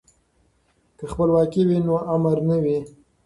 که خپلواکي وي نو امر نه وي.